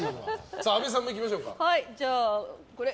阿部さんもいきましょうか。